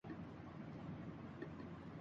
اس وقت قوم کو ایک پیغام کی ضرورت ہے۔